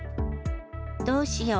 どうしよう。